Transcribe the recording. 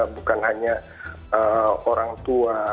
bukan hanya orang tua